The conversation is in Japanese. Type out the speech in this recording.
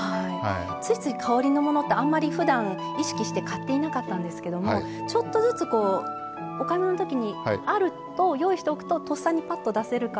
ついつい香りのものってあんまり、ふだん意識して買っていなかったんですけどちょっとずつお買い物のときに用意しておくとぱっと出せるから。